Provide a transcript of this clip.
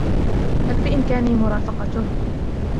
هل بإمكاني مرافقته ؟